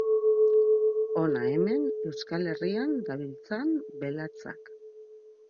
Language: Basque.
Hona hemen Euskal Herrian dabiltzan belatzak.